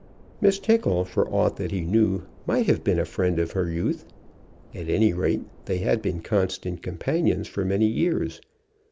Miss Tickle, for aught that he knew, might have been a friend of her youth. At any rate, they had been constant companions for many years.